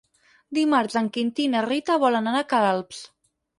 Dimarts en Quintí i na Rita volen anar a Queralbs.